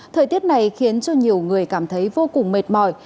thời tiết này khiến cho nhiều người cảm thấy vô cùng mệt mỏi